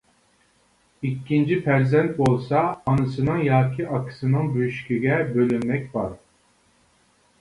ئىككىنچى پەرزەنت بولسا ئانىسىنىڭ ياكى ئاكىسىنىڭ بۆشۈكىگە بۆلەنمەك بار.